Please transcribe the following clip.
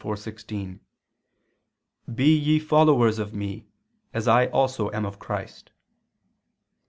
4:16): "Be ye followers of me, as I also am of Christ."